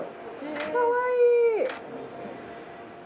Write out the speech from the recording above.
かわいい。